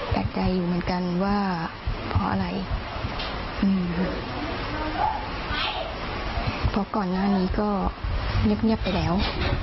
โกรธไปมันก็ไม่ได้อะไรเพราะมันผ่านไปแล้ว